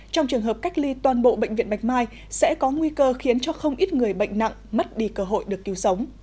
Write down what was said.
trong trường hợp cách ly toàn bộ bệnh viện bạch mai sẽ có nguy cơ khiến cho không ít người bệnh nặng mất đi cơ hội được cứu sống